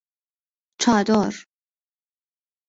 چادر